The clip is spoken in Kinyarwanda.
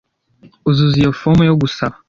Uzuza iyi fomu yo gusaba